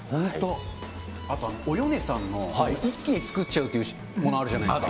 あとおよねさんの一気に作っちゃうというものあるじゃないですか。